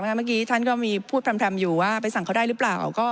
เมื่อกี้ท่านก็มีพูดแพร่มอยู่ว่าไปสั่งเขาได้หรือเปล่า